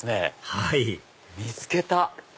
はい見つけた！